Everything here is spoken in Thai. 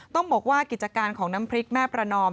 ต้องบอกว่ากิจการของน้ำพริกแม่ประนอม